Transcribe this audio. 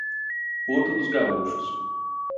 Porto dos Gaúchos